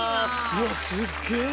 うわすっげぇ！